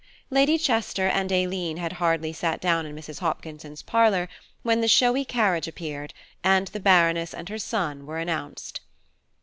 Lady Chester and Aileen had hardly sat down in Mrs. Hopkinson's parlour, when the showy carriage appeared, and the Baroness and her son were announced.